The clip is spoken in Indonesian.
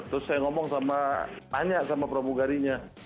terus saya tanya sama promogarinya